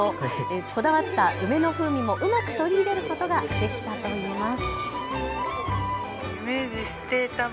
こだわった梅の風味もうまく取り入れることができたといいます。